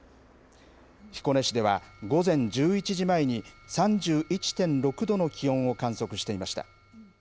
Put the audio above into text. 彦根市では、午前１１時前に３１．６度の気温を観測していました。